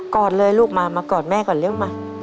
อดเลยลูกมากอดแม่ก่อนเร็วมา